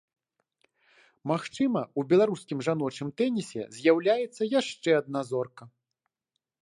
Магчыма, у беларускім жаночым тэнісе з'яўляецца яшчэ адна зорка.